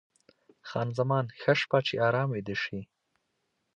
خان زمان: ښه شپه، چې ارام ویده شې.